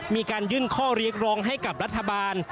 มีการยื่นข้อเรียกร้องให้กับรัฐบาล